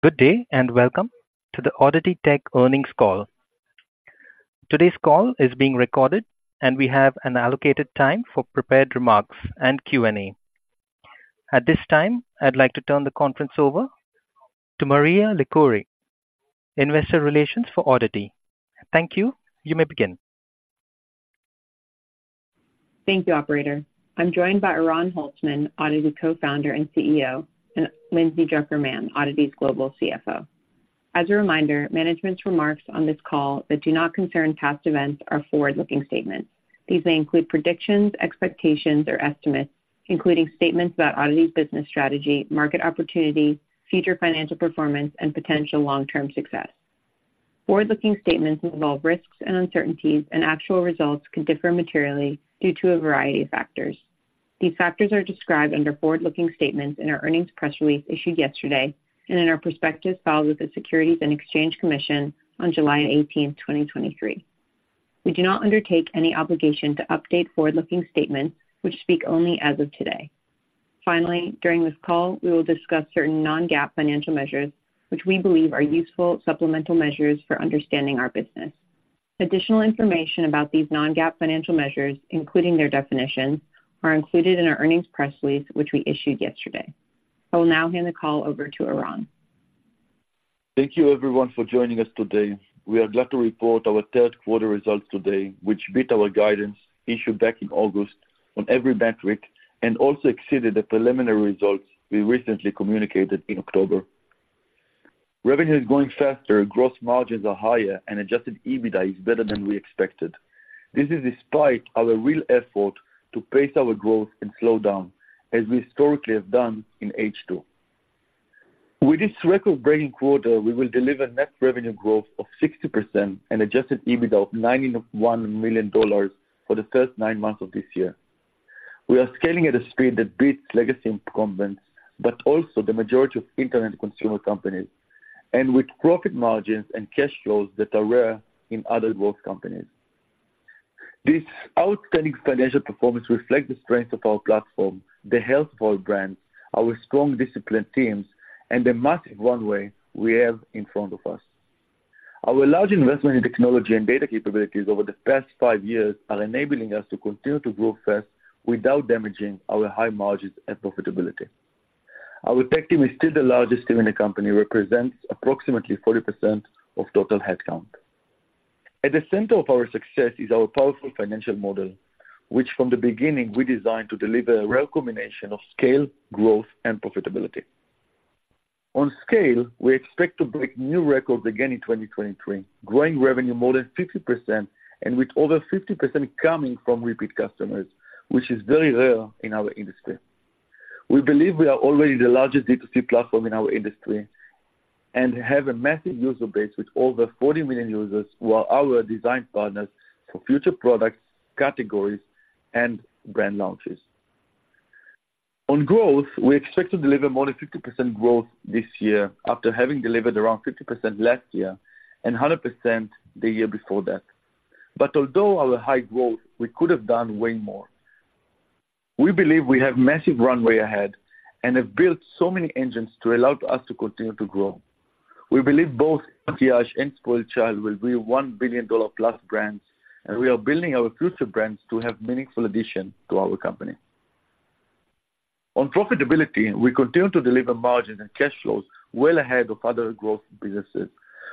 Good day, and welcome to the ODDITY Tech Earnings call. Today's call is being recorded, and we have an allocated time for prepared remarks and Q&A. At this time, I'd like to turn the conference over to Maria Lycouris, Investor Relations for ODDITY. Thank you. You may begin. Thank you, operator. I'm joined by Oran Holtzman, ODDITY Co-founder and CEO, and Lindsay Drucker Mann, ODDITY's Global CFO. As a reminder, management's remarks on this call that do not concern past events are forward-looking statements. These may include predictions, expectations, or estimates, including statements about ODDITY's business strategy, market opportunity, future financial performance, and potential long-TAM success. Forward-looking statements involve risks and uncertainties, and actual results could differ materially due to a variety of factors. These factors are described under forward-looking statements in our earnings press release issued yesterday and in our prospectus filed with the Securities and Exchange Commission on July 18, 2023. We do not undertake any obligation to update forward-looking statements which speak only as of today. Finally, during this call, we will discuss certain non-GAAP financial measures, which we believe are useful supplemental measures for understanding our business. Additional information about these non-GAAP financial measures, including their definitions, are included in our earnings press release, which we issued yesterday. I will now hand the call over to Oran. Thank you, everyone, for joining us today. We are glad to report our third quarter results today, which beat our guidance issued back in August on every metric and also exceeded the preliminary results we recently communicated in October. Revenue is growing faster, gross margins are higher, and Adjusted EBITDA is better than we expected. This is despite our real effort to pace our growth and slow down, as we historically have done in H2. With this record-breaking quarter, we will deliver net revenue growth of 60% and Adjusted EBITDA of $91 million for the first nine months of this year. We are scaling at a speed that beats legacy incumbents, but also the majority of internet consumer companies, and with profit margins and cash flows that are rare in other growth companies. This outstanding financial performance reflects the strength of our platform, the health of our brands, our strong, disciplined teams, and the massive runway we have in front of us. Our large investment in technology and data capabilities over the past five years are enabling us to continue to grow fast without damaging our high margins and profitability. Our tech team is still the largest team in the company, represents approximately 40% of total headcount. At the center of our success is our powerful financial model, which from the beginning, we designed to deliver a rare combination of scale, growth, and profitability. On scale, we expect to break new records again in 2023, growing revenue more than 50% and with over 50% coming from repeat customers, which is very rare in our industry. We believe we are already the largest D2C platform in our industry and have a massive user base with over 40 million users who are our design partners for future products, categories, and brand launches. On growth, we expect to deliver more than 50% growth this year, after having delivered around 50% last year and 100% the year before that. But although our high growth, we could have done way more. We believe we have massive runway ahead and have built so many engines to allow us to continue to grow. We believe both IL MAKIAGE and SpoiledChild will be $1 billion-plus brands, and we are building our future brands to have meaningful addition to our company. On profitability, we continue to deliver margins and cash flows well ahead of other growth businesses.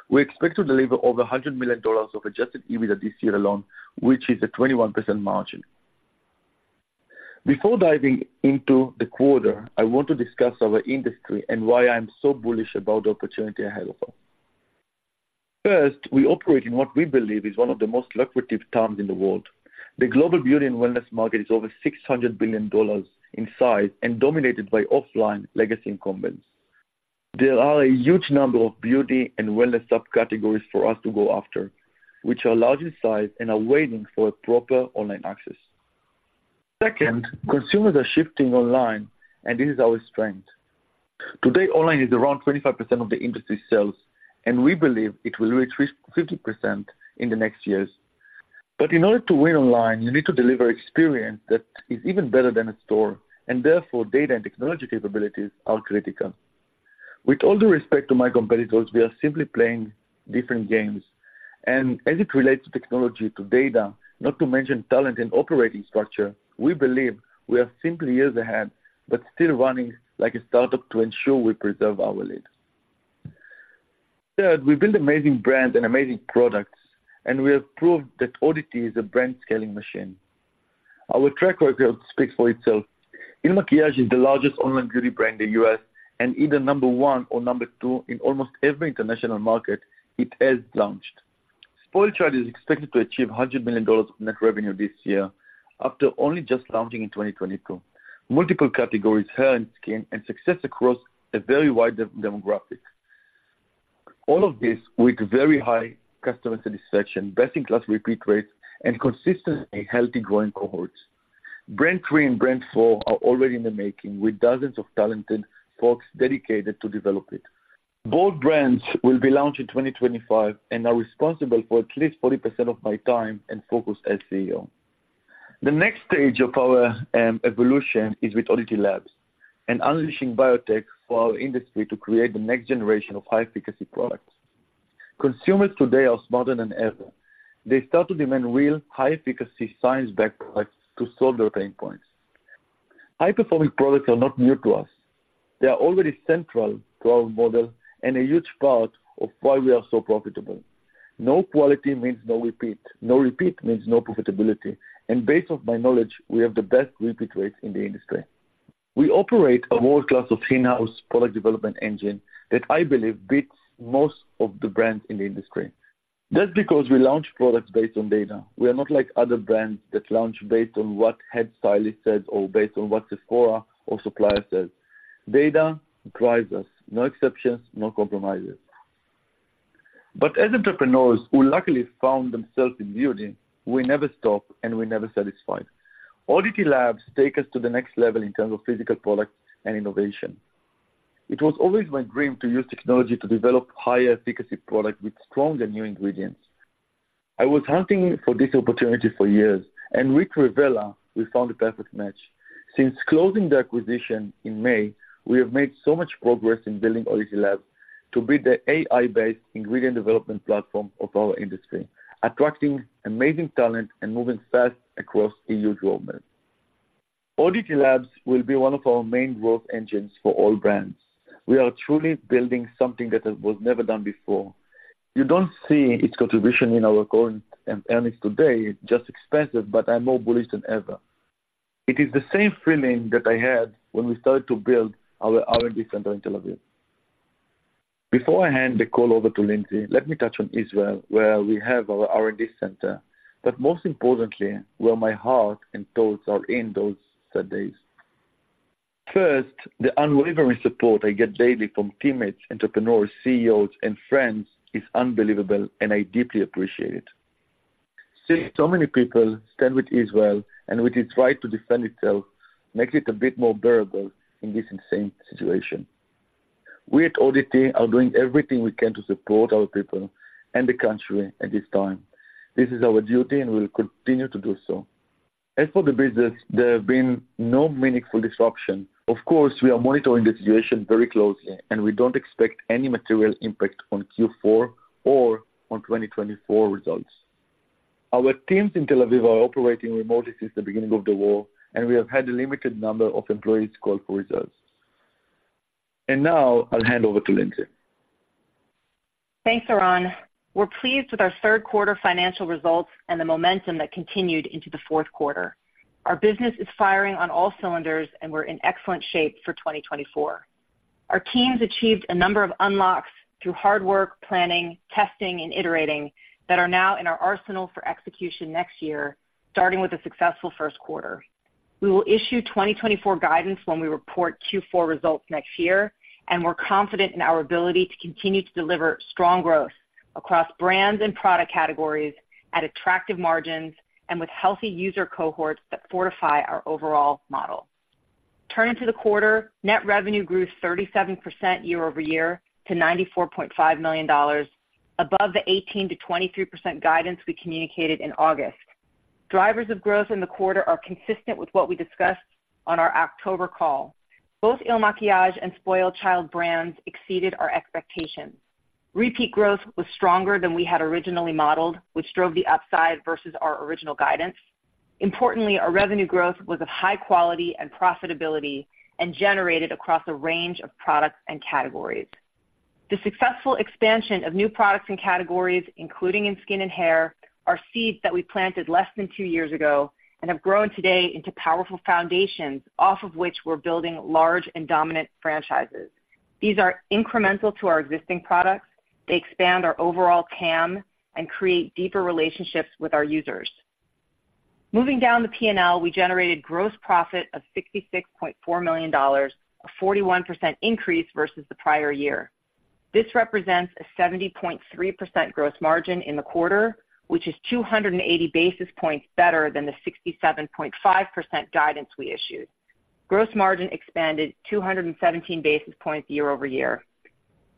We expect to deliver over $100 million of Adjusted EBITDA this year alone, which is a 21% margin. Before diving into the quarter, I want to discuss our industry and why I'm so bullish about the opportunity ahead of us. First, we operate in what we believe is one of the most lucrative TAMs in the world. The global beauty and wellness market is over $600 billion in size and dominated by offline legacy incumbents. There are a huge number of beauty and wellness subcategories for us to go after, which are large in size and are waiting for a proper online access. Second, consumers are shifting online, and this is our strength. Today, online is around 25% of the industry's sales, and we believe it will reach 50% in the next years. But in order to win online, you need to deliver experience that is even better than a store, and therefore data and technology capabilities are critical. With all due respect to my competitors, we are simply playing different games, and as it relates to technology, to data, not to mention talent and operating structure, we believe we are simply years ahead, but still running like a startup to ensure we preserve our lead. Third, we build amazing brands and amazing products, and we have proved that ODDITY is a brand scaling machine. Our track record speaks for itself. IL MAKIAGE is the largest online beauty brand in U.S. and either number one or number two in almost every international market it has launched. SpoiledChild is expected to achieve $100 million of net revenue this year after only just launching in 2022. Multiple categories, hair and skin, and success across a very wide demographic. All of this with very high customer satisfaction, best-in-class repeat rates, and consistently healthy growing cohorts. Brand 3 and Brand 4 are already in the making, with dozens of talented folks dedicated to develop it. Both brands will be launched in 2025 and are responsible for at least 40% of my time and focus as CEO. The next stage of our evolution is with ODDITY Labs and unleashing biotech for our industry to create the next generation of high-efficacy products. Consumers today are smarter than ever. They start to demand real, high-efficacy, science-backed products to solve their pain points. High-performing products are not new to us. They are already central to our model and a huge part of why we are so profitable. No quality means no repeat. No repeat means no profitability, and based on my knowledge, we have the best repeat rates in the industry. We operate a world-class in-house product development engine that I believe beats most of the brands in the industry. That's because we launch products based on data. We are not like other brands that launch based on what head stylist says or based on what Sephora or supplier says. Data drives us. No exceptions, no compromises. But as entrepreneurs who luckily found themselves in beauty, we never stop, and we're never satisfied. ODDITY Labs take us to the next level in TAMs of physical products and innovation. It was always my dream to use technology to develop higher efficacy products with strong and new ingredients. I was hunting for this opportunity for years, and with Revela, we found a perfect match. Since closing the acquisition in May, we have made so much progress in building ODDITY Labs to be the AI-based ingredient development platform of our industry, attracting amazing talent and moving fast across huge roadmap. ODDITY Labs will be one of our main growth engines for all brands. We are truly building something that was never done before. You don't see its contribution in our current earnings today, it's just expensive, but I'm more bullish than ever. It is the same feeling that I had when we started to build our R&D center in Tel Aviv. Before I hand the call over to Lindsay, let me touch on Israel, where we have our R&D center, but most importantly, where my heart and thoughts are in those sad days. First, the unwavering support I get daily from teammates, entrepreneurs, CEOs, and friends is unbelievable, and I deeply appreciate it. Seeing so many people stand with Israel and with its right to defend itself, makes it a bit more bearable in this insane situation. We at ODDITY are doing everything we can to support our people and the country at this time. This is our duty, and we'll continue to do so. As for the business, there have been no meaningful disruption. Of course, we are monitoring the situation very closely, and we don't expect any material impact on Q4 or on 2024 results. Our teams in Tel Aviv are operating remotely since the beginning of the war, and we have had a limited number of employees called for reserves. Now I'll hand over to Lindsay. Thanks, Oran. We're pleased with our third quarter financial results and the momentum that continued into the fourth quarter. Our business is firing on all cylinders, and we're in excellent shape for 2024. Our teams achieved a number of unlocks through hard work, planning, testing, and iterating that are now in our arsenal for execution next year, starting with a successful first quarter. We will issue 2024 guidance when we report Q4 results next year, and we're confident in our ability to continue to deliver strong growth across brands and product categories at attractive margins and with healthy user cohorts that fortify our overall model. Turning to the quarter, net revenue grew 37% year-over-year to $94.5 million, above the 18%-23% guidance we communicated in August. Drivers of growth in the quarter are consistent with what we discussed on our October call. Both IL MAKIAGE and SpoiledChild brands exceeded our expectations. Repeat growth was stronger than we had originally modeled, which drove the upside versus our original guidance. Importantly, our revenue growth was of high quality and profitability and generated across a range of products and categories. The successful expansion of new products and categories, including in skin and hair, are seeds that we planted less than two years ago and have grown today into powerful foundations, off of which we're building large and dominant franchises. These are incremental to our existing products. They expand our overall TAM and create deeper relationships with our users. Moving down the P&L, we generated gross profit of $66.4 million, a 41% increase versus the prior year. This represents a 70.3% gross margin in the quarter, which is 280 basis points better than the 67.5% guidance we issued. Gross margin expanded 217 basis points year-over-year.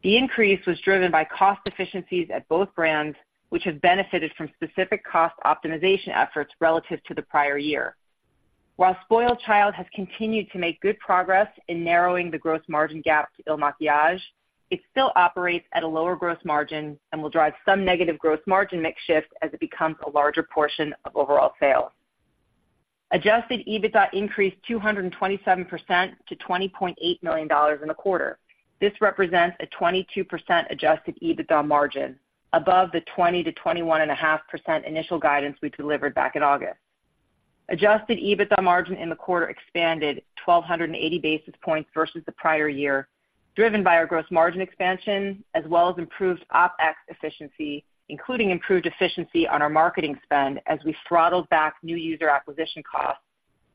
The increase was driven by cost efficiencies at both brands, which have benefited from specific cost optimization efforts relative to the prior year. While SpoiledChild has continued to make good progress in narrowing the gross margin gap to IL MAKIAGE, it still operates at a lower gross margin and will drive some negative gross margin mix shift as it becomes a larger portion of overall sales. Adjusted EBITDA increased 227% to $20.8 million in the quarter. This represents a 22% adjusted EBITDA margin, above the 20%-21.5% initial guidance we delivered back in August. Adjusted EBITDA margin in the quarter expanded 1,280 basis points versus the prior year, driven by our gross margin expansion, as well as improved OpEx efficiency, including improved efficiency on our marketing spend as we throttled back new user acquisition costs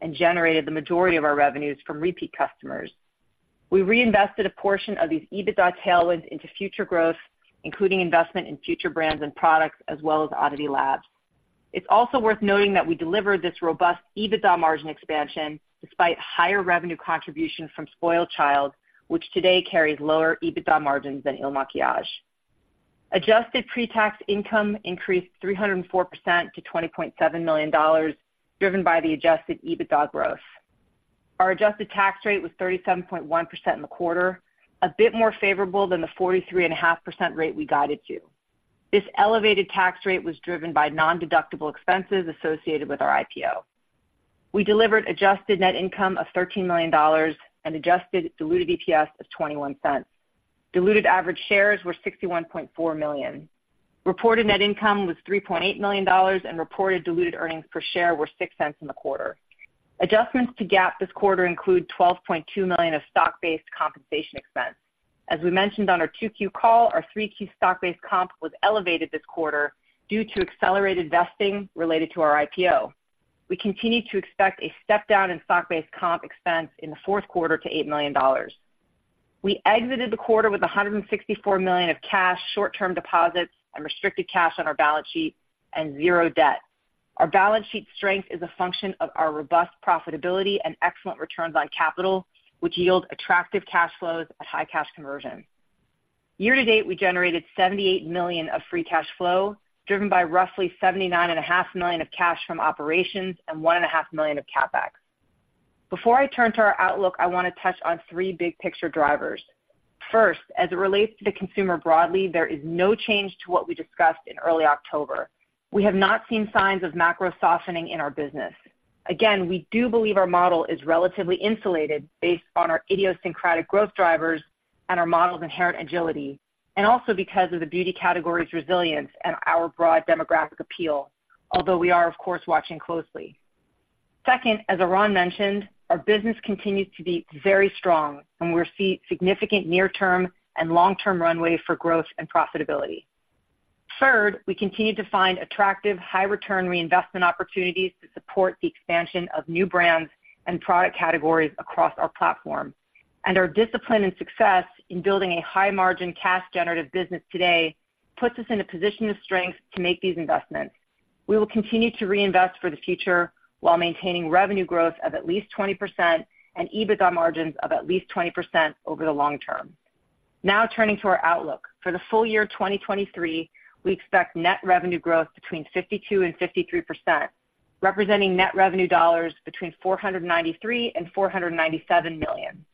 and generated the majority of our revenues from repeat customers. We reinvested a portion of these EBITDA tailwinds into future growth, including investment in future brands and products, as well as ODDITY Labs. It's also worth noting that we delivered this robust EBITDA margin expansion despite higher revenue contribution from SpoiledChild, which today carries lower EBITDA margins than IL MAKIAGE. Adjusted pretax income increased 304% to $20.7 million, driven by the adjusted EBITDA growth. Our adjusted tax rate was 37.1% in the quarter, a bit more favorable than the 43.5% rate we guided to. This elevated tax rate was driven by nondeductible expenses associated with our IPO. We delivered adjusted net income of $13 million and adjusted diluted EPS of $0.21. Diluted average shares were 61.4 million. Reported net income was $3.8 million, and reported diluted earnings per share were $0.06 in the quarter. Adjustments to GAAP this quarter include $12.2 million of stock-based compensation expense. As we mentioned on our 2Q call, our 3Q stock-based comp was elevated this quarter due to accelerated vesting related to our IPO. We continue to expect a step-down in stock-based comp expense in the fourth quarter to $8 million. We exited the quarter with $164 million of cash, short-term deposits, and restricted cash on our balance sheet and 0 debt. Our balance sheet strength is a function of our robust profitability and excellent returns on capital, which yield attractive cash flows at high cash conversion. Year to date, we generated $78 million of free cash flow, driven by roughly $79.5 million of cash from operations and $1.5 million of CapEx. Before I turn to our outlook, I want to touch on three big picture drivers. First, as it relates to the consumer broadly, there is no change to what we discussed in early October. We have not seen signs of macro softening in our business. Again, we do believe our model is relatively insulated based on our idiosyncratic growth drivers and our model's inherent agility, and also because of the beauty category's resilience and our broad demographic appeal. Although we are, of course, watching closely. Second, as Oran mentioned, our business continues to be very strong, and we see significant near-term and long-term runway for growth and profitability. Third, we continue to find attractive, high-return reinvestment opportunities to support the expansion of new brands and product categories across our platform. Our discipline and success in building a high-margin, cash-generative business today puts us in a position of strength to make these investments. We will continue to reinvest for the future while maintaining revenue growth of at least 20% and EBITDA margins of at least 20% over the long term. Now, turning to our outlook. For the full year 2023, we expect net revenue growth between 52% and 53%, representing net revenue dollars between $493 million and $497 million.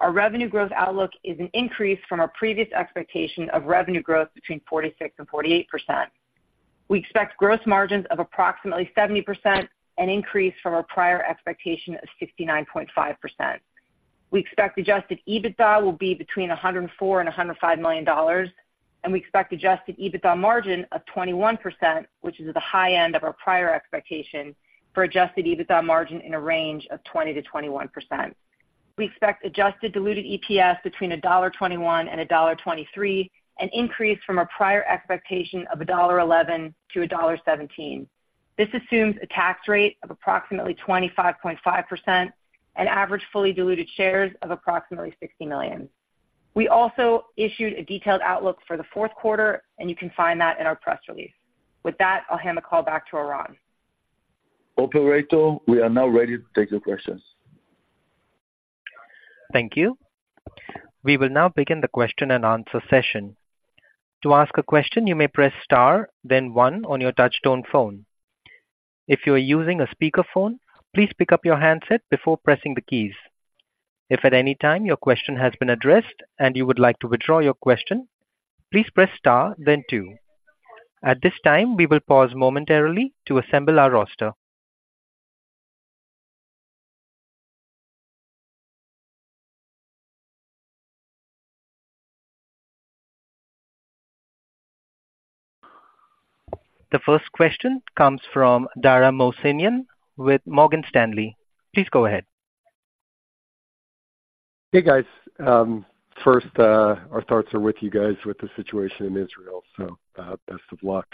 Our revenue growth outlook is an increase from our previous expectation of revenue growth between 46% and 48%. We expect gross margins of approximately 70%, an increase from our prior expectation of 69.5%. We expect adjusted EBITDA will be between $104 million and $105 million, and we expect adjusted EBITDA margin of 21%, which is at the high end of our prior expectation for adjusted EBITDA margin in a range of 20%-21%. We expect adjusted diluted EPS between $1.21 and $1.23, an increase from our prior expectation of $1.11 to $1.17. This assumes a tax rate of approximately 25.5% and average fully diluted shares of approximately 60 million. We also issued a detailed outlook for the fourth quarter, and you can find that in our press release. With that, I'll hand the call back to Oran. Operator, we are now ready to take the questions. Thank you. We will now begin the question-and-answer session. To ask a question, you may press star, then one on your touchtone phone. If you are using a speakerphone, please pick up your handset before pressing the keys. If at any time your question has been addressed and you would like to withdraw your question, please press star, then two. At this time, we will pause momentarily to assemble our roster. The first question comes from Dara Mohsenian with Morgan Stanley. Please go ahead. Hey, guys. First, our thoughts are with you guys with the situation in Israel, so, best of luck.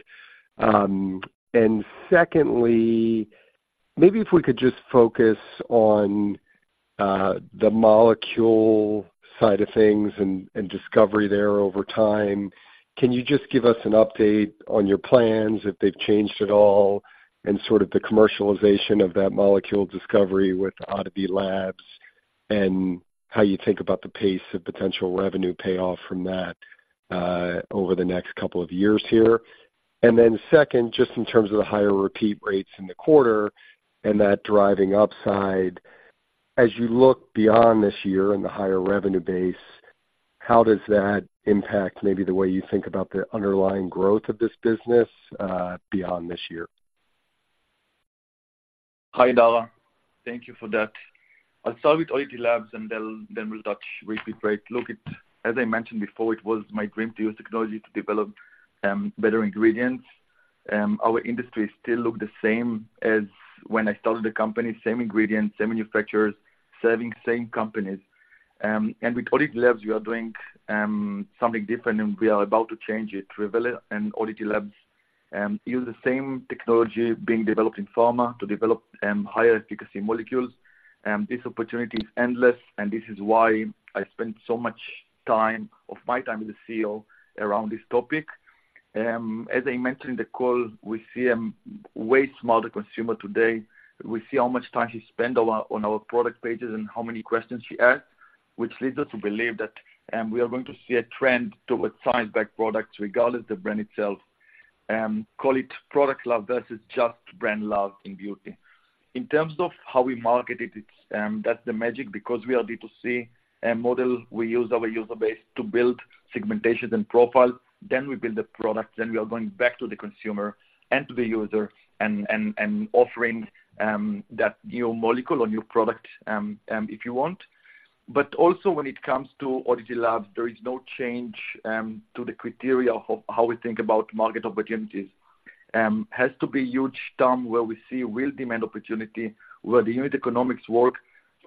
And secondly, maybe if we could just focus on the molecule side of things and discovery there over time. Can you just give us an update on your plans, if they've changed at all, and sort of the commercialization of that molecule discovery with ODDITY Labs, and how you think about the pace of potential revenue payoff from that, over the next couple of years here? And then second, just in TAMs of the higher repeat rates in the quarter and that driving upside, as you look beyond this year and the higher revenue base, how does that impact maybe the way you think about the underlying growth of this business, beyond this year? Hi, Dara. Thank you for that. I'll start with ODDITY Labs, and then we'll touch repeat rate. Look, as I mentioned before, it was my dream to use technology to develop better ingredients. Our industry still look the same as when I started the company, same ingredients, same manufacturers, serving same companies. And with ODDITY Labs, we are doing something different, and we are about to change it. Revela and ODDITY Labs use the same technology being developed in pharma to develop higher efficacy molecules. This opportunity is endless, and this is why I spent so much time, of my time as a CEO around this topic. As I mentioned in the call, we see a way smarter consumer today. We see how much time he spend on our product pages and how many questions he asks, which leads us to believe that we are going to see a trend towards science-backed products, regardless of the brand itself. Call it product love, versus just brand love in beauty. In TAMs of how we market it, it's that's the magic, because we are D2C model, we use our user base to build segmentations and profiles. Then we build the product, then we are going back to the consumer and to the user and offering that new molecule or new product, if you want. But also when it comes to ODDITY Labs, there is no change to the criteria of how we think about market opportunities. Has to be huge term where we see real demand opportunity, where the unit economics work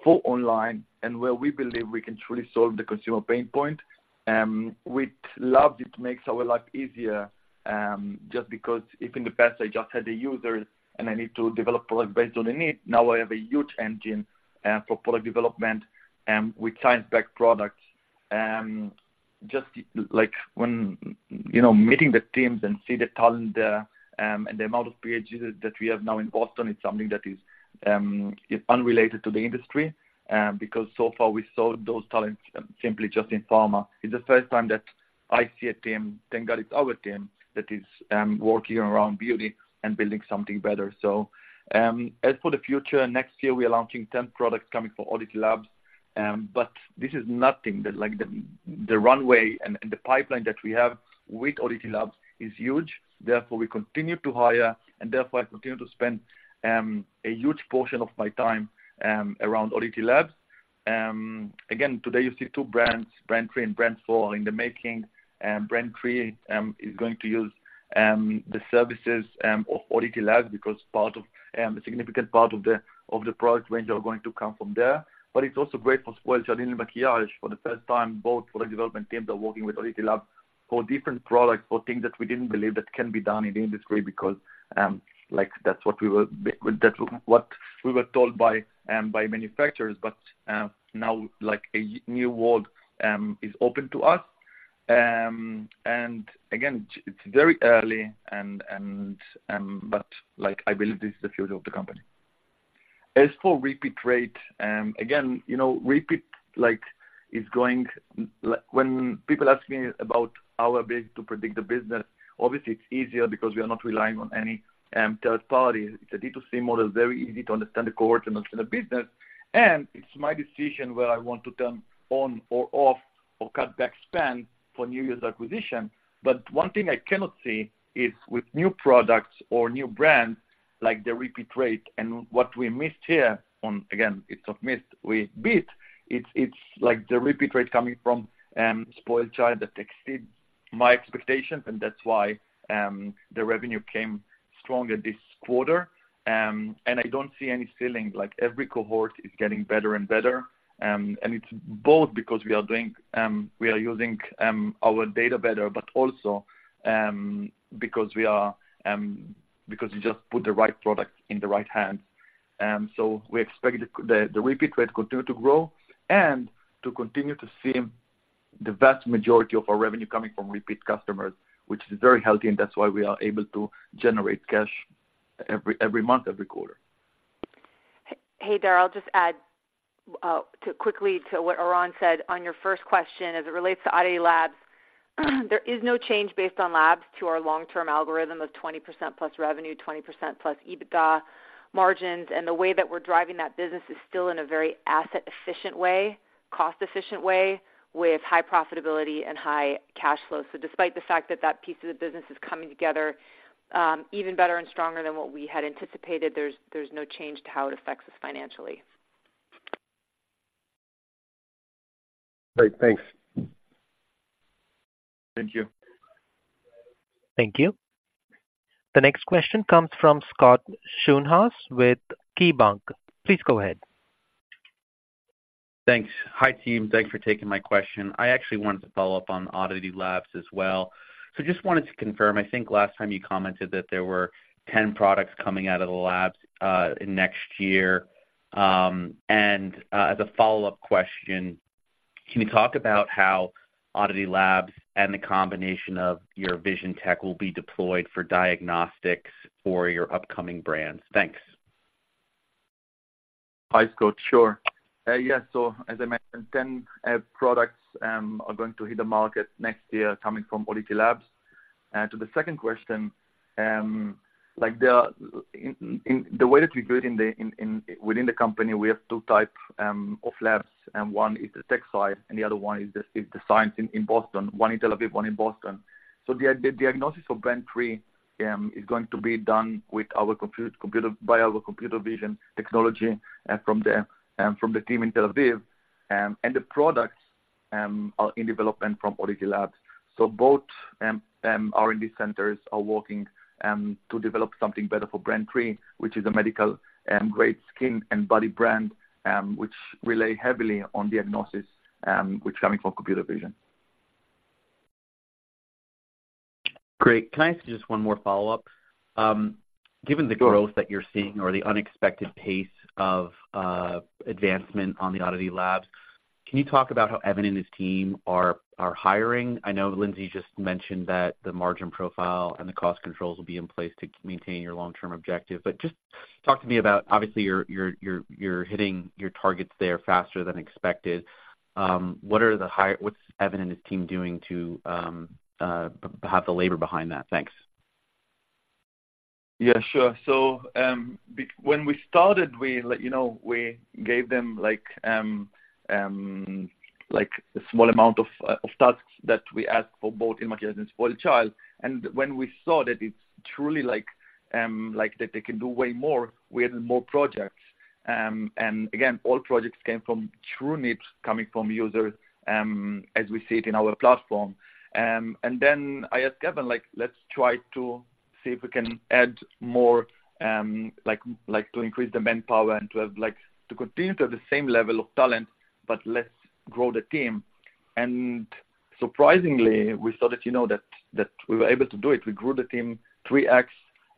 for online, and where we believe we can truly solve the consumer pain point. With labs, it makes our life easier, just because if in the past I just had the users and I need to develop product based on the need, now I have a huge engine, for product development, with science-backed products. Just like when, you know, meeting the teams and see the talent there, and the amount of Ph.D.s that we have now in Boston, it's something that is unrelated to the industry, because so far we saw those talents simply just in pharma. It's the first time that I see a team, thank God, it's our team, that is working around beauty and building something better. So, as for the future, next year, we are launching 10 products coming from ODDITY Labs. But this is nothing. That, like, the runway and the pipeline that we have with ODDITY Labs is huge. Therefore, we continue to hire, and therefore I continue to spend a huge portion of my time around ODDITY Labs. Again, today, you see two brands, Brand 3 and Brand 4 are in the making, and Brand 3 is going to use the services of ODDITY Labs, because part of a significant part of the product range are going to come from there. But it's also great for SpoiledChild and IL MAKIAGE. For the first time, both product development teams are working with ODDITY Labs for different products, for things that we didn't believe that can be done in the industry, because, like, that's what we were, that's what we were told by, by manufacturers. But, now, like, a new world is open to us. And again, it's very early and, and, but like, I believe this is the future of the company. As for repeat rate, again, you know, repeat like, is going, like, when people ask me about our ability to predict the business, obviously it's easier because we are not relying on any, third party. It's a D2C model, very easy to understand the cohort and understand the business, and it's my decision whether I want to turn on or off or cut back spend for new user acquisition. But one thing I cannot see is with new products or new brands, like the repeat rate and what we missed here on. Again, it's not missed, we beat. It's like the repeat rate coming from SpoiledChild that exceeds my expectations, and that's why the revenue came stronger this quarter. And I don't see any ceiling, like, every cohort is getting better and better. And it's both because we are doing, we are using our data better, but also because we are, because you just put the right product in the right hands. So we expect the repeat rate continue to grow and to continue to see the vast majority of our revenue coming from repeat customers, which is very healthy, and that's why we are able to generate cash every month, every quarter. Hey, Dara, I'll just add to quickly to what Oran said on your first question. As it relates to ODDITY Labs, there is no change based on Labs to our long-term algorithm of 20%+ revenue, 20%+ EBITDA margins. The way that we're driving that business is still in a very asset-efficient way, cost-efficient way, with high profitability and high cash flow. Despite the fact that that piece of the business is coming together even better and stronger than what we had anticipated, there's no change to how it affects us financially. Great. Thanks. Thank you. Thank you. The next question comes from Scott Schonhaus with KeyBanc. Please go ahead. Thanks. Hi, team. Thanks for taking my question. I actually wanted to follow up on ODDITY Labs as well. So just wanted to confirm, I think last time you commented that there were 10 products coming out of the labs, next year. And, as a follow-up question, can you talk about how ODDITY Labs and the combination of your vision tech will be deployed for diagnostics for your upcoming brands? Thanks. Hi, Scott. Sure. Yes. So as I mentioned, 10 products are going to hit the market next year coming from ODDITY Labs. To the second question, like, in the way that we build in the-- in, within the company, we have two type of labs, and one is the tech side, and the other one is the science in Boston. One in Tel Aviv, one in Boston. So the diagnosis for Brand 3 is going to be done with our computer vision technology from the team in Tel Aviv. And the products are in development from ODDITY Labs. So both R&D centers are working to develop something better for Brand 3, which is a medical grade skin and body brand, which rely heavily on diagnosis, which coming from computer vision. Great. Can I ask you just one more follow-up? Given the growth that you're seeing or the unexpected pace of advancement on the ODDITY Labs, can you talk about how Evan and his team are hiring? I know Lindsay just mentioned that the margin profile and the cost controls will be in place to maintain your long-term objective. But just talk to me about, obviously, you're hitting your targets there faster than expected. What's Evan and his team doing to have the labor behind that? Thanks. Yeah, sure. So, when we started, we, like, you know, we gave them like, a small amount of, of tasks that we asked for both in IL MAKIAGE and SpoiledChild. And when we saw that it's truly like, that they can do way more, we added more projects. And again, all projects came from true needs coming from users, as we see it in our platform. And then I asked Evan, like, "Let's try to see if we can add more, to increase the manpower and to have like, to continue to have the same level of talent, but let's grow the team." And surprisingly, we saw that, you know, that, that we were able to do it. We grew the team 3x,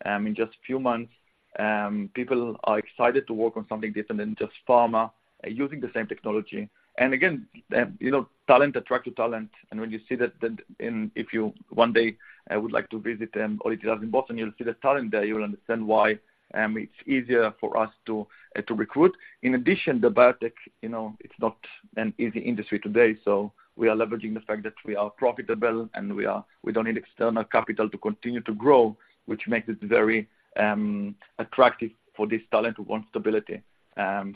in just a few months. People are excited to work on something different than just pharma, using the same technology. And again, you know, talent attracts talent, and when you see that, then, and if you one day, I would like to visit ODDITY Labs in Boston, you'll see the talent there, you will understand why, it's easier for us to to recruit. In addition, the biotech, you know, it's not an easy industry today, so we are leveraging the fact that we are profitable, and we are, we don't need external capital to continue to grow, which makes it very attractive for this talent who want stability.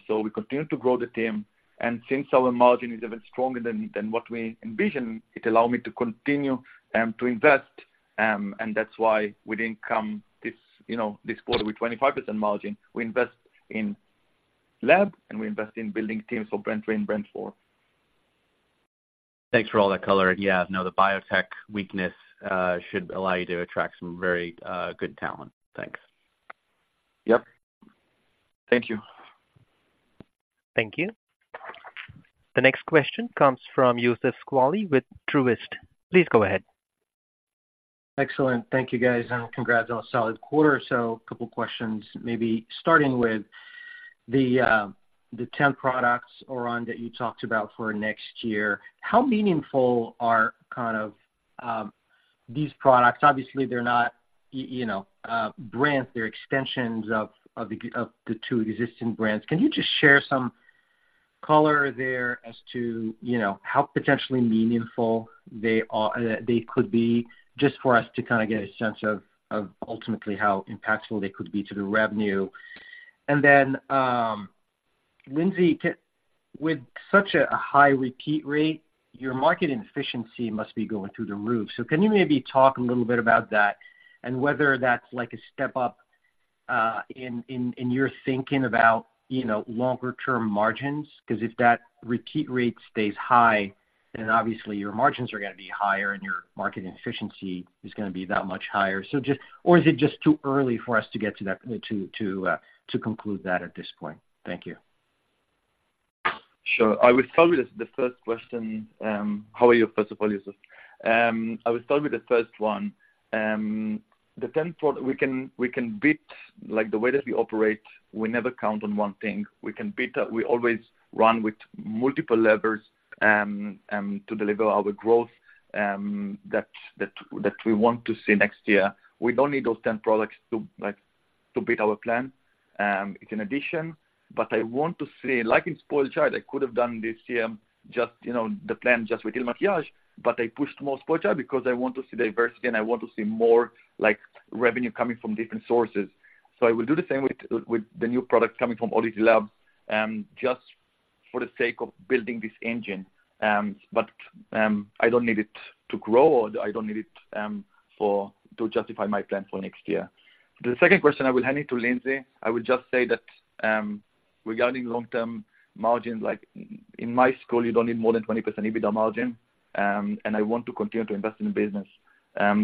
So we continue to grow the team, and since our margin is even stronger than what we envisioned, it allow me to continue to invest and that's why we didn't come this, you know, this quarter with 25% margin. We invest in lab, and we invest in building teams for Brand 3 and Brand 4. Thanks for all that color. Yeah, I know the biotech weakness should allow you to attract some very good talent. Thanks. Yep. Thank you. Thank you. The next question comes from Youssef Squali with Truist. Please go ahead. Excellent. Thank you, guys, and congrats on a solid quarter. So a couple questions, maybe starting with the 10 products, Oran, that you talked about for next year. How meaningful are kind of these products? Obviously, they're not, you know, brands, they're extensions of the two existing brands. Can you just share some color there as to, you know, how potentially meaningful they are, they could be, just for us to kinda get a sense of ultimately how impactful they could be to the revenue? And then, Lindsay, with such a high repeat rate, your marketing efficiency must be going through the roof. So can you maybe talk a little bit about that and whether that's like a step up in your thinking about, you know, longer term margins? Because if that repeat rate stays high, then obviously your margins are gonna be higher, and your market efficiency is gonna be that much higher. So, or is it just too early for us to get to that, to conclude that at this point? Thank you. Sure. I will start with the first question. How are you, first of all, Yusuf? I will start with the first one. The 10 product we can beat, like, the way that we operate, we never count on one thing. We can beat. We always run with multiple levers to deliver our growth that we want to see next year. We don't need those 10 products to, like, to beat our plan. It's an addition, but I want to see, like in SpoiledChild, I could have done this year just, you know, the plan just with IL MAKIAGE, but I pushed more SpoiledChild because I want to see diversity, and I want to see more, like, revenue coming from different sources. So I will do the same with the new product coming from ODDITY Labs, just for the sake of building this engine. But I don't need it to grow, or I don't need it to justify my plan for next year. The second question, I will hand it to Lindsay. I will just say that, regarding long-term margin, like in my school, you don't need more than 20% EBITDA margin, and I want to continue to invest in the business.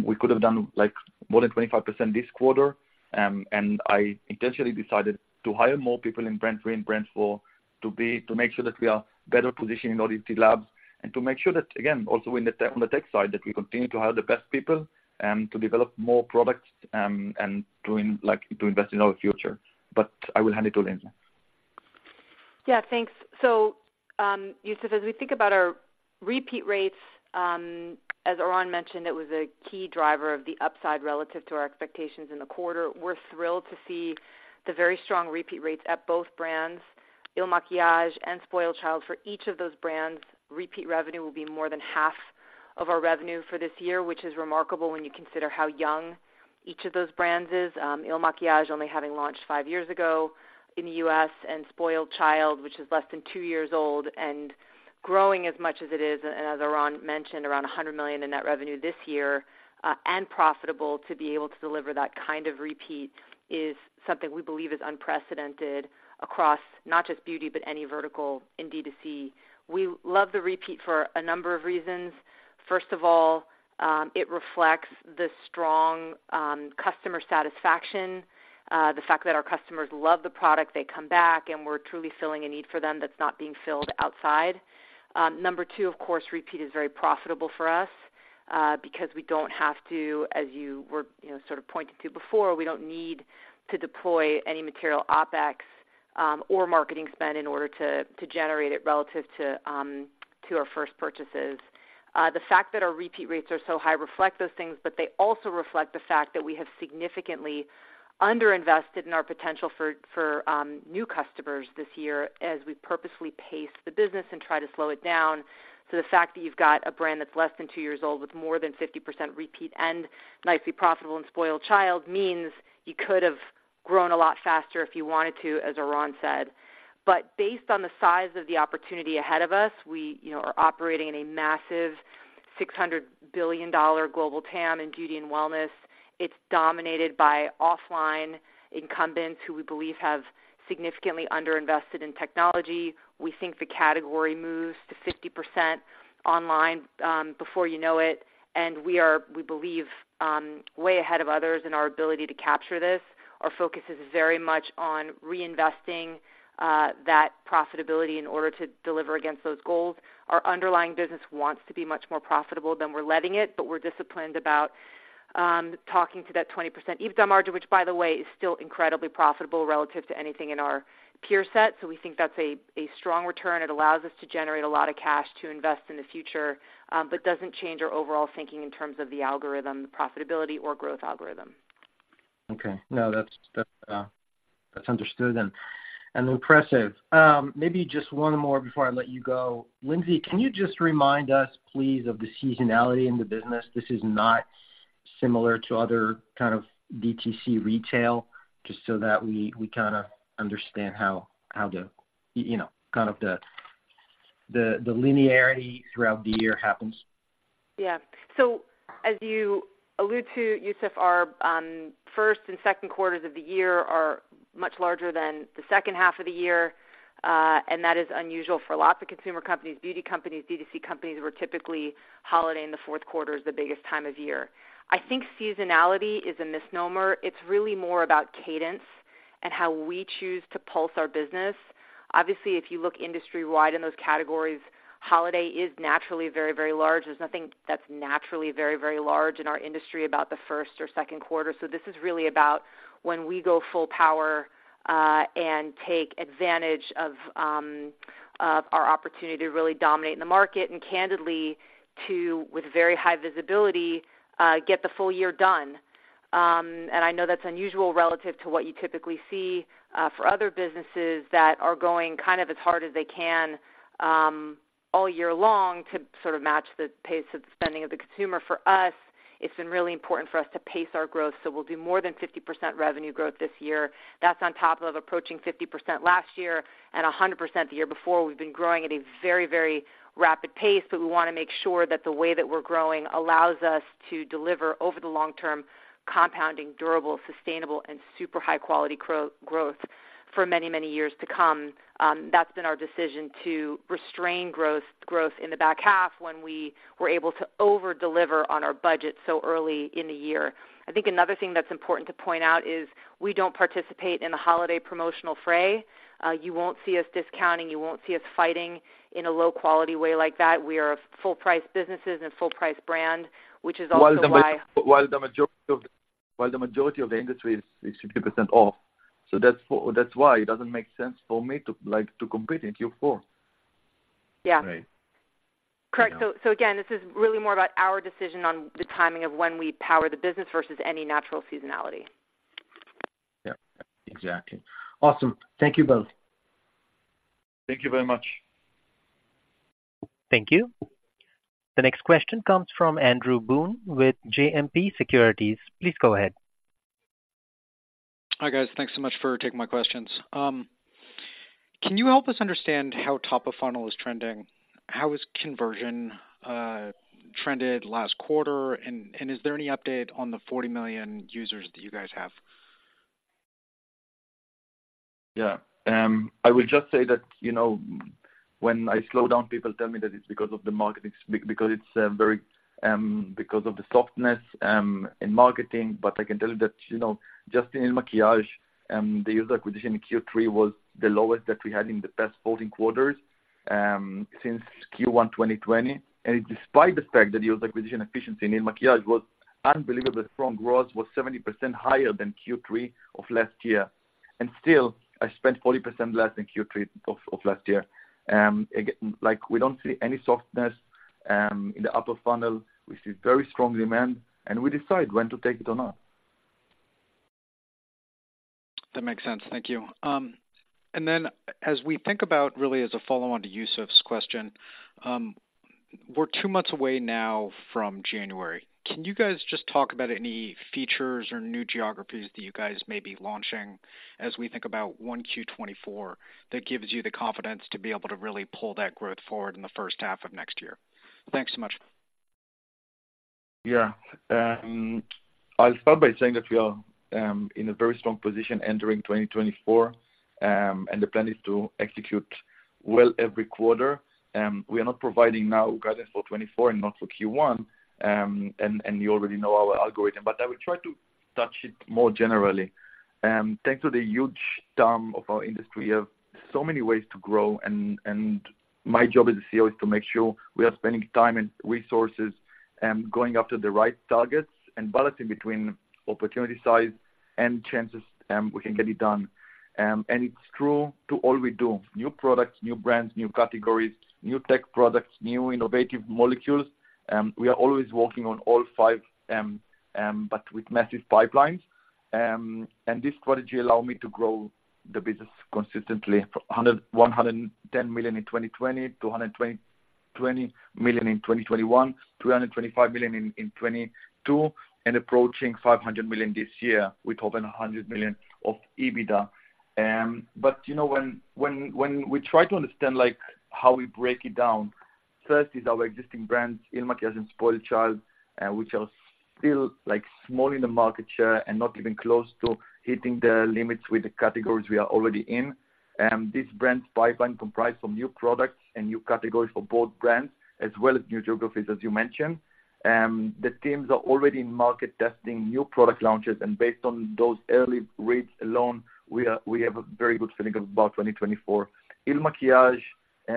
We could have done, like, more than 25% this quarter, and I intentionally decided to hire more people in Brand 3 and Brand 4, to make sure that we are better positioned in ODDITY Labs and to make sure that, again, also in the tech, on the tech side, that we continue to hire the best people, to develop more products, and to like, to invest in our future. But I will hand it to Lindsay. Yeah, thanks. So, Youssef, as we think about our repeat rates, as Oran mentioned, it was a key driver of the upside relative to our expectations in the quarter. We're thrilled to see the very strong repeat rates at both brands, IL Makiage and SpoiledChild. For each of those brands, repeat revenue will be more than half of our revenue for this year, which is remarkable when you consider how young each of those brands is. IL Makiage, only having launched five years ago in the US, and SpoiledChild, which is less than two years old and growing as much as it is, and as Oran mentioned, around $100 million in net revenue this year, and profitable. To be able to deliver that kind of repeat is something we believe is unprecedented across not just beauty, but any vertical in D2C. We love the repeat for a number of reasons. First of all, it reflects the strong customer satisfaction, the fact that our customers love the product, they come back, and we're truly filling a need for them that's not being filled outside. Number two, of course, repeat is very profitable for us, because we don't have to, as you were, you know, sort of pointing to before, we don't need to deploy any material OpEx or marketing spend in order to, to generate it relative to, to our first purchases. The fact that our repeat rates are so high reflect those things, but they also reflect the fact that we have significantly underinvested in our potential for, for, new customers this year as we purposely pace the business and try to slow it down. So the fact that you've got a brand that's less than two years old with more than 50% repeat and nicely profitable and SpoiledChild, means you could have grown a lot faster if you wanted to, as Oran said. But based on the size of the opportunity ahead of us, we, you know, are operating in a massive $600 billion global TAM in beauty and wellness. It's dominated by offline incumbents who we believe have significantly underinvested in technology. We think the category moves to 50% online, before you know it, and we are, we believe, way ahead of others in our ability to capture this. Our focus is very much on reinvesting, that profitability in order to deliver against those goals. Our underlying business wants to be much more profitable than we're letting it, but we're disciplined about talking to that 20% EBITDA margin, which, by the way, is still incredibly profitable relative to anything in our peer set. So we think that's a strong return. It allows us to generate a lot of cash to invest in the future, but doesn't change our overall thinking in TAMs of the algorithm, the profitability or growth algorithm. Okay. No, that's understood and impressive. Maybe just one more before I let you go. Lindsay, can you just remind us, please, of the seasonality in the business? This is not similar to other kind of DTC retail, just so that we kinda understand how the, you know, kind of the linearity throughout the year happens. Yeah. So as you allude to, Yusuf, our first and second quarters of the year are much larger than the second half of the year, and that is unusual for lots of consumer companies, beauty companies, DTC companies, where typically holiday in the fourth quarter is the biggest time of year. I think seasonality is a misnomer. It's really more about cadence and how we choose to pulse our business. Obviously, if you look industry-wide in those categories, holiday is naturally very, very large. There's nothing that's naturally very, very large in our industry about the first or second quarter. So this is really about when we go full power, and take advantage of our opportunity to really dominate in the market, and candidly, to with very high visibility get the full year done. And I know that's unusual relative to what you typically see for other businesses that are going kind of as hard as they can all year long to sort of match the pace of the spending of the consumer. For us, it's been really important for us to pace our growth, so we'll do more than 50% revenue growth this year. That's on top of approaching 50% last year and 100% the year before. We've been growing at a very, very rapid pace, but we wanna make sure that the way that we're growing allows us to deliver over the long term, compounding, durable, sustainable, and super high-quality growth for many, many years to come. That's been our decision to restrain growth in the back half when we were able to over-deliver on our budget so early in the year. I think another thing that's important to point out is we don't participate in the holiday promotional fray. You won't see us discounting, you won't see us fighting in a low-quality way like that. We are a full-price businesses and full-price brand, which is also why- While the majority of the industry is 50% off. So that's why it doesn't make sense for me to like, to compete in Q4. Yeah. Right. Correct. So again, this is really more about our decision on the timing of when we power the business versus any natural seasonality. Yeah, exactly. Awesome. Thank you both. Thank you very much. Thank you. The next question comes from Andrew Boone with JMP Securities. Please go ahead. Hi, guys. Thanks so much for taking my questions. Can you help us understand how top of funnel is trending? How is conversion trended last quarter, and is there any update on the 40 million users that you guys have? Yeah. I will just say that, you know, when I slow down, people tell me that it's because of the market, it's because it's very, because of the softness in marketing. But I can tell you that, you know, just in IL MAKIAGE, the user acquisition in Q3 was the lowest that we had in the past 14 quarters, since Q1 2020. And despite the fact that the user acquisition efficiency in IL MAKIAGE was unbelievably strong, growth was 70% higher than Q3 of last year, and still, I spent 40% less than Q3 of last year. Again, like, we don't see any softness in the upper funnel. We see very strong demand, and we decide when to take it or not. That makes sense. Thank you. And then as we think about really as a follow-on to Yusuf's question, we're two months away now from January. Can you guys just talk about any features or new geographies that you guys may be launching as we think about 1Q 2024, that gives you the confidence to be able to really pull that growth forward in the first half of next year? Thanks so much. Yeah. I'll start by saying that we are in a very strong position entering 2024, and the plan is to execute well every quarter. We are not providing now guidance for 2024 and not for Q1, and you already know our algorithm, but I will try to touch it more generally. Thanks to the huge TAM of our industry, we have so many ways to grow, and my job as CEO is to make sure we are spending time and resources going after the right targets and balancing between opportunity size and chances we can get it done. And it's true to all we do. New products, new brands, new categories, new tech products, new innovative molecules, we are always working on all five, but with massive pipelines. And this strategy allow me to grow the business consistently. $110 million in 2020, $220 million in 2021, $325 million in 2022, and approaching $500 million this year, with over $100 million of EBITDA. But you know, when we try to understand, like, how we break it down, first is our existing brands, IL MAKIAGE and SpoiledChild, which are still, like, small in the market share and not even close to hitting the limits with the categories we are already in. This brand pipeline comprised of new products and new categories for both brands, as well as new geographies, as you mentioned. The teams are already in market testing new product launches, and based on those early reads alone, we are, we have a very good feeling about 2024. IL MAKIAGE,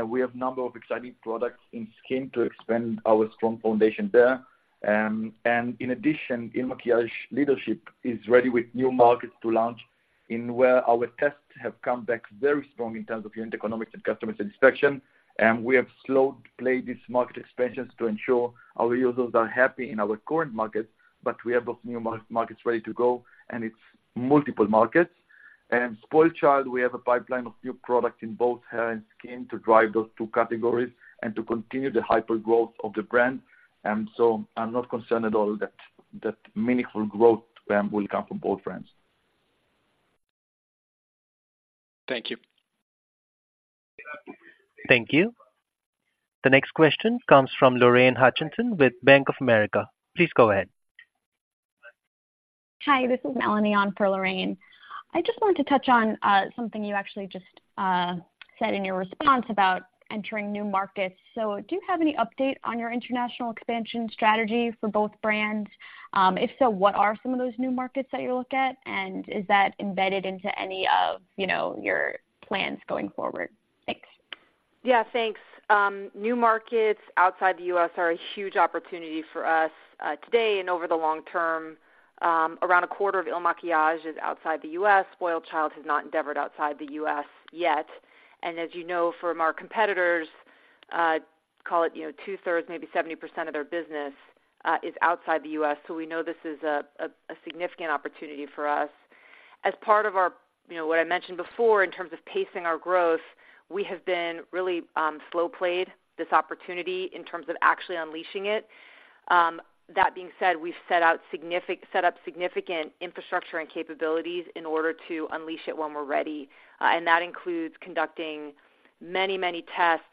we have a number of exciting products in skin to expand our strong foundation there. And in addition, IL MAKIAGE leadership is ready with new markets to launch in where our tests have come back very strong in TAMs of unit economics and customer satisfaction. We have slowed play these market expansions to ensure our users are happy in our current markets, but we have those new markets ready to go, and it's multiple markets. SpoiledChild, we have a pipeline of new products in both hair and skin to drive those two categories and to continue the hyper growth of the brand. I'm not concerned at all that meaningful growth will come from both brands. Thank you. Thank you. The next question comes from Lorraine Hutchinson with Bank of America. Please go ahead. Hi, this is Melanie on for Lorraine. I just wanted to touch on something you actually just said in your response about entering new markets. So do you have any update on your international expansion strategy for both brands? If so, what are some of those new markets that you're looking at, and is that embedded into any of, you know, your plans going forward? Thanks. Yeah, thanks. New markets outside the U.S. are a huge opportunity for us, today and over the long term. Around a quarter of IL MAKIAGE is outside the U.S. SpoiledChild has not endeavored outside the U.S. yet. And as you know, from our competitors, call it, you know, two-thirds, maybe 70% of their business, is outside the U.S., so we know this is a significant opportunity for us. As part of our, you know, what I mentioned before in TAMs of pacing our growth, we have been really, slow played this opportunity in TAMs of actually unleashing it. That being said, we've set up significant infrastructure and capabilities in order to unleash it when we're ready. And that includes conducting many, many tests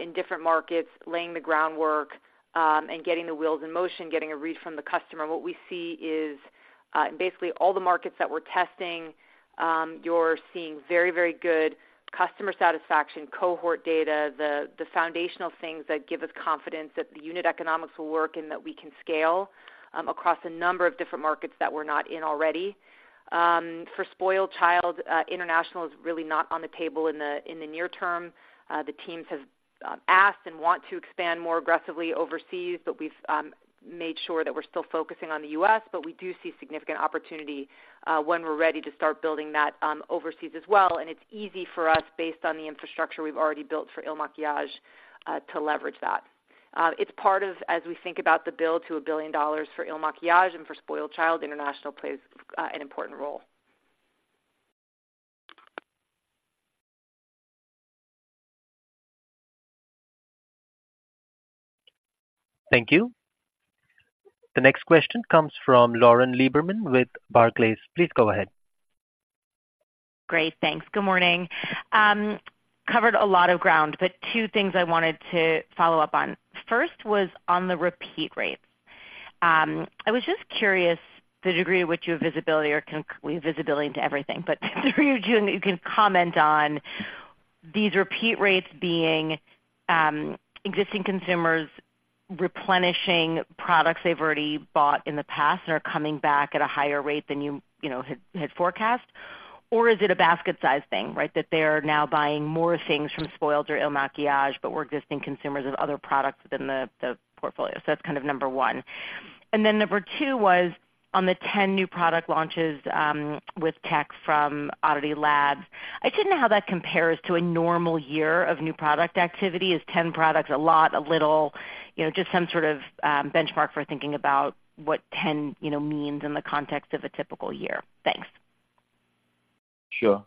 in different markets, laying the groundwork, and getting the wheels in motion, getting a read from the customer. What we see is basically all the markets that we're testing, you're seeing very, very good customer satisfaction, cohort data, the foundational things that give us confidence that the unit economics will work and that we can scale across a number of different markets that we're not in already. For SpoiledChild, international is really not on the table in the near term. The teams have asked and want to expand more aggressively overseas, but we've made sure that we're still focusing on the U.S., but we do see significant opportunity when we're ready to start building that overseas as well. It's easy for us, based on the infrastructure we've already built for IL MAKIAGE, to leverage that. It's part of, as we think about the build to $1 billion for IL MAKIAGE and for SpoiledChild, international plays an important role. Thank you. The next question comes from Lauren Lieberman with Barclays. Please go ahead. Great. Thanks. Good morning. Covered a lot of ground, but two things I wanted to follow up on. First was on the repeat rates. I was just curious, the degree to which you have visibility or we have visibility into everything, but you can comment on these repeat rates being existing consumers replenishing products they've already bought in the past and are coming back at a higher rate than you, you know, had forecast? Or is it a basket size thing, right? That they are now buying more things from Spoiled or IL MAKIAGE, but were existing consumers of other products within the portfolio. So that's kind of number one. And then number two was on the 10 new product launches, with tech from ODDITY Labs. I didn't know how that compares to a normal year of new product activity. Is 10 products a lot, a little, you know, just some sort of benchmark for thinking about what 10, you know, means in the context of a typical year. Thanks. Sure.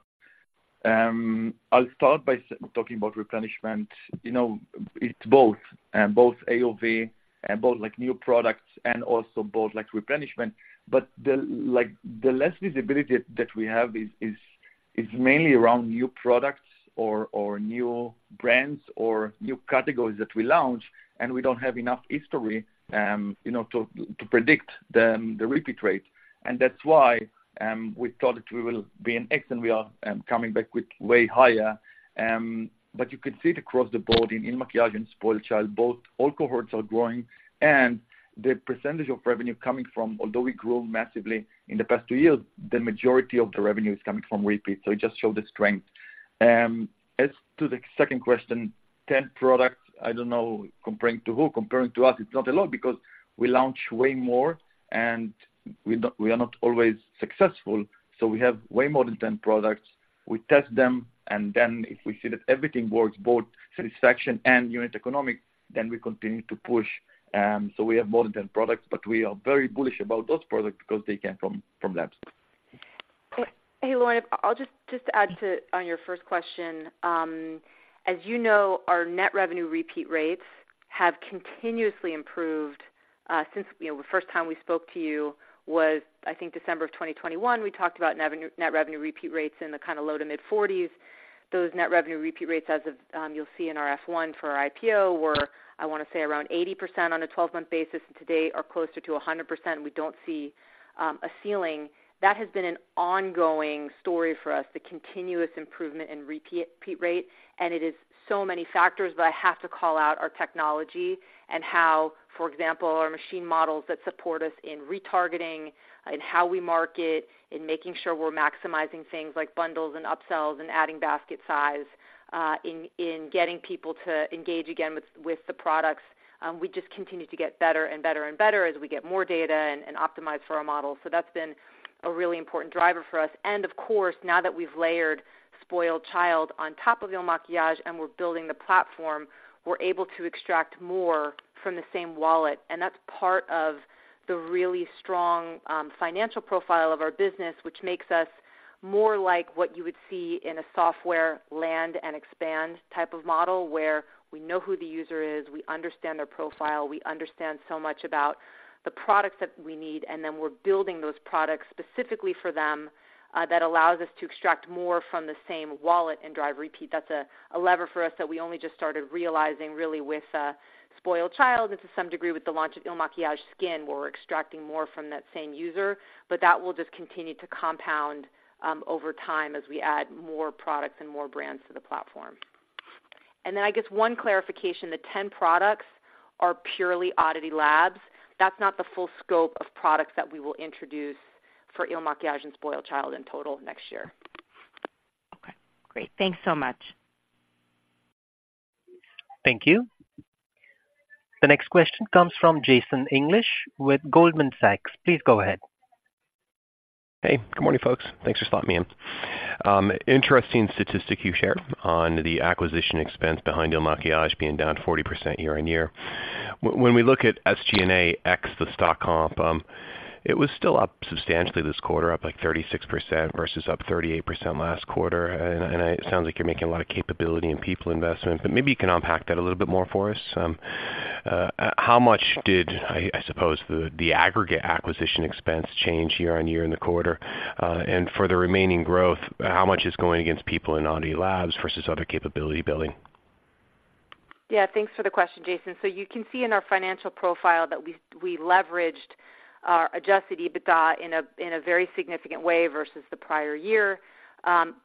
I'll start by talking about replenishment. You know, it's both AOV and both, like, new products and also both, like, replenishment. But the, like, the less visibility that we have is mainly around new products or new brands or new categories that we launch, and we don't have enough history, you know, to predict the repeat rate. And that's why we thought that we will be in X, and we are coming back with way higher. But you can see it across the board in IL MAKIAGE and SpoiledChild. Both all cohorts are growing, and the percentage of revenue coming from, although we grew massively in the past two years, the majority of the revenue is coming from repeat. So it just shows the strength. As to the second question, 10 products, I don't know, comparing to who? Comparing to us, it's not a lot because we launch way more, and we don't, we are not always successful, so we have way more than 10 products. We test them, and then if we see that everything works, both satisfaction and unit economics, then we continue to push. So we have more than 10 products, but we are very bullish about those products because they came from labs. Hey, Lauren, I'll just, just to add to, on your first question. As you know, our net revenue repeat rates have continuously improved since, you know, the first time we spoke to you was, I think, December of 2021. We talked about revenue, net revenue repeat rates in the kind of low to mid-40s. Those net revenue repeat rates, as of, you'll see in our S-1 for our IPO, were, I want to say, around 80% on a 12-month basis, and today are closer to 100%. We don't see a ceiling. That has been an ongoing story for us, the continuous improvement in repeat, repeat rate, and it is so many factors, but I have to call out our technology and how, for example, our machine models that support us in retargeting and how we market, in making sure we're maximizing things like bundles and upsells and adding basket size in getting people to engage again with the products. We just continue to get better and better and better as we get more data and optimize for our models. So that's been a really important driver for us. Of course, now that we've layered SpoiledChild on top of IL MAKIAGE, and we're building the platform, we're able to extract more from the same wallet, and that's part of the really strong financial profile of our business, which makes us more like what you would see in a software land and expand type of model, where we know who the user is, we understand their profile, we understand so much about the products that we need, and then we're building those products specifically for them, that allows us to extract more from the same wallet and drive repeat. That's a lever for us that we only just started realizing really with SpoiledChild, and to some degree, with the launch of IL MAKIAGE Skin, where we're extracting more from that same user. But that will just continue to compound over time as we add more products and more brands to the platform. And then, I guess, one clarification, the 10 products are purely ODDITY Labs. That's not the full scope of products that we will introduce for IL MAKIAGE and SpoiledChild in total next year. Okay, great. Thanks so much. Thank you. The next question comes from Jason English with Goldman Sachs. Please go ahead. Hey, good morning, folks. Thanks for letting me in. Interesting statistic you shared on the acquisition expense behind IL MAKIAGE being down 40% year-on-year. When we look at SG&A ex the stock comp, it was still up substantially this quarter, up like 36% versus up 38% last quarter. And it sounds like you're making a lot of capability in people investment, but maybe you can unpack that a little bit more for us. How much did I suppose the aggregate acquisition expense change year-on-year in the quarter? And for the remaining growth, how much is going against people in ODDITY Labs versus other capability building? Yeah, thanks for the question, Jason. So you can see in our financial profile that we leveraged our Adjusted EBITDA in a very significant way versus the prior year.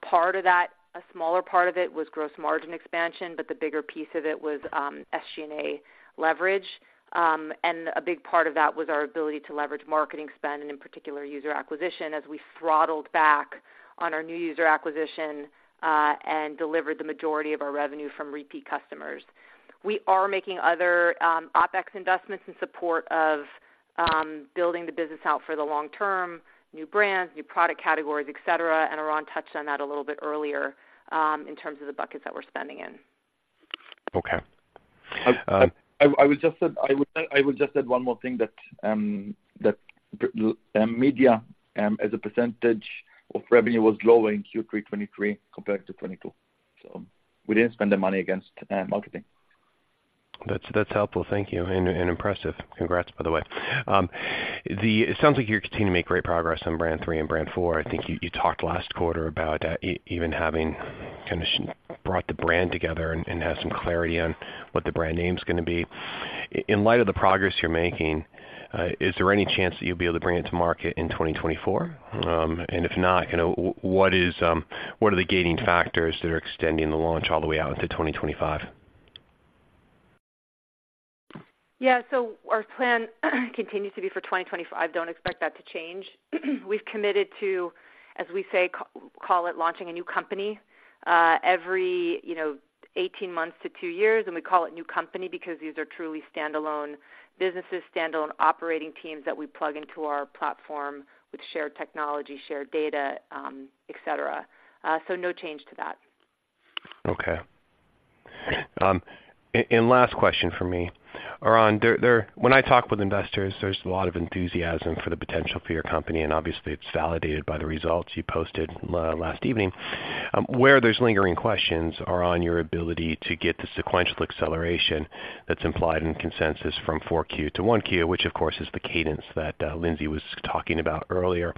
Part of that, a smaller part of it, was gross margin expansion, but the bigger piece of it was SG&A leverage. And a big part of that was our ability to leverage marketing spend, and in particular, user acquisition, as we throttled back on our new user acquisition and delivered the majority of our revenue from repeat customers. We are making other OpEx investments in support of building the business out for the long term, new brands, new product categories, et cetera, and Oran touched on that a little bit earlier in TAMs of the buckets that we're spending in. Okay. Um- I would just add one more thing, that media as a percentage of revenue was lower in Q3 2023 compared to 2022. So we didn't spend the money against marketing. That's, that's helpful. Thank you. And impressive. Congrats, by the way. It sounds like you're continuing to make great progress on Brand 3 and Brand 4. I think you talked last quarter about even having kind of brought the brand together and have some clarity on what the brand name is gonna be. In light of the progress you're making, is there any chance that you'll be able to bring it to market in 2024? And if not, you know, what are the gating factors that are extending the launch all the way out into 2025? Yeah, so our plan continues to be for 2025. Don't expect that to change. We've committed to, as we say, call it, launching a new company every, you know, 18 months to 2 years, and we call it new company because these are truly standalone businesses, standalone operating teams that we plug into our platform with shared technology, shared data, et cetera. So no change to that. Okay. Last question for me. Oran, when I talk with investors, there's a lot of enthusiasm for the potential for your company, and obviously, it's validated by the results you posted last evening. Where there's lingering questions are on your ability to get the sequential acceleration that's implied in consensus from Q4 to Q1, which of course, is the cadence that Lindsay was talking about earlier.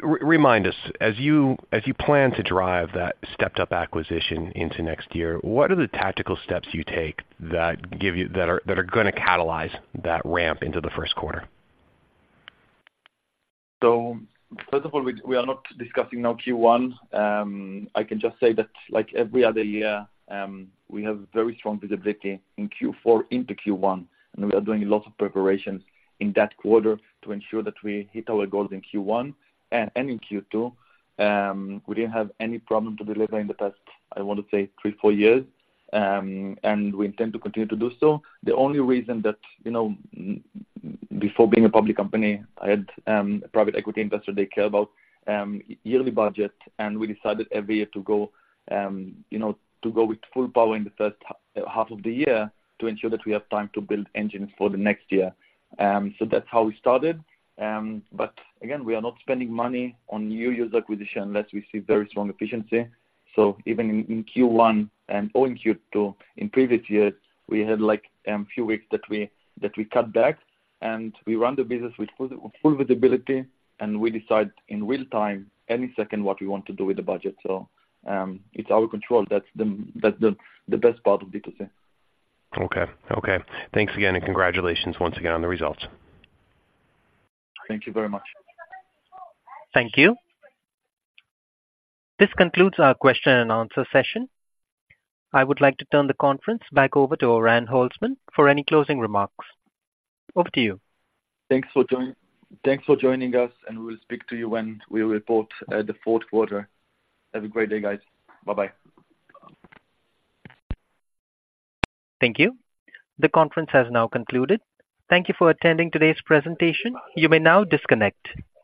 Remind us, as you plan to drive that stepped up acquisition into next year, what are the tactical steps you take that give you, that are gonna catalyze that ramp into the first quarter? So first of all, we are not discussing now Q1. I can just say that like every other year, we have very strong visibility in Q4 into Q1, and we are doing lots of preparations in that quarter to ensure that we hit our goals in Q1 and in Q2. We didn't have any problem to deliver in the past, I want to say, three, four years, and we intend to continue to do so. The only reason that, you know, before being a public company, I had a private equity investor. They care about yearly budget, and we decided every year to go, you know, to go with full power in the first half of the year to ensure that we have time to build engines for the next year. So that's how we started. But again, we are not spending money on new user acquisition unless we see very strong efficiency. So even in Q1 and or in Q2, in previous years, we had, like, few weeks that we cut back, and we run the business with full visibility, and we decide in real time, any second, what we want to do with the budget. So, it's our control. That's the best part of DTC. Okay. Okay. Thanks again, and congratulations once again on the results. Thank you very much. Thank you. This concludes our question and answer session. I would like to turn the conference back over to Oran Holtzman for any closing remarks. Over to you. Thanks for joining. Thanks for joining us, and we will speak to you when we report the fourth quarter. Have a great day, guys. Bye-bye. Thank you. The conference has now concluded. Thank you for attending today's presentation. You may now disconnect.